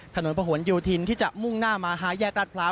ถนนพระหวนยูทินที่จะมุ่งหน้ามาทาง๕แยกราดเภา